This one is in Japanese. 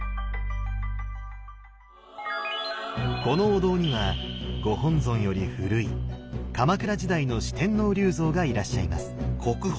このお堂にはご本尊より古い鎌倉時代の四天王立像がいらっしゃいます。